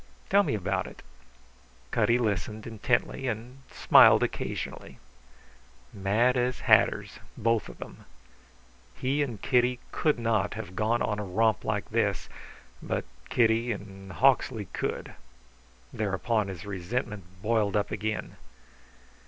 "Tell me about it." Cutty listened intently and smiled occasionally. Mad as hatters, both of them. He and Kitty couldn't have gone on a romp like this, but Kitty and Hawksley could. Thereupon his resentment boiled up again.